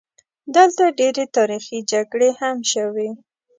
دلته ډېرې تاریخي جګړې هم شوي.